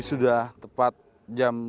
ini sudah tepat jam dua belas malam